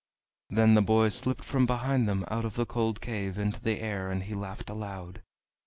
Then the boy slipped from behind them out of the cold cave into the air, and he laughed aloud.